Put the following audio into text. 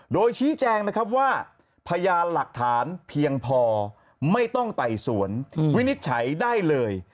โดยชี้แจงนะครับว่าพยานหลักฐานเพียงพอไม่ต้องไต่สวนวินิจฉัยได้เลย